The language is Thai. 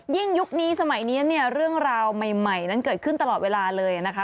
ยุคนี้สมัยนี้เนี่ยเรื่องราวใหม่นั้นเกิดขึ้นตลอดเวลาเลยนะคะ